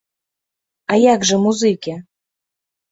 А як жа музыкі?